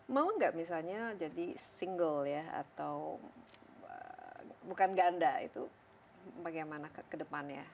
mau nggak misalnya jadi single ya atau bukan ganda itu bagaimana ke depannya